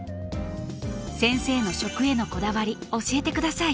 先生の食へのこだわり教えてください。